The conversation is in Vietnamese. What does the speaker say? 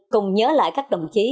cùng nhớ lại các đồng chí